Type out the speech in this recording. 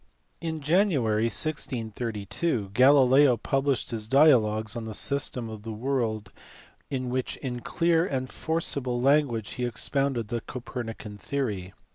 In January 1632 Galileo published his dialogues on the system of the world in which in clear and forcible language he expounded the Copernican theory.